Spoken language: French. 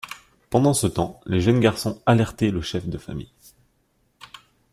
Pendant ce temps les jeunes garçons alerteraient le chef de famille.